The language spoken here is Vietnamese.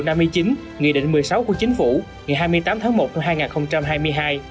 nghị định một mươi sáu của chính phủ ngày hai mươi tám tháng một năm hai nghìn hai mươi hai